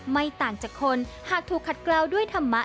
ไม่ต่างจากคนหากถูกขัดกล่าวด้วยธรรมะ